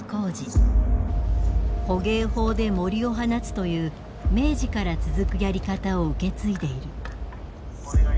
捕鯨砲でもりを放つという明治から続くやり方を受け継いでいる。